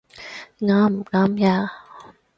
啱唔啱呀？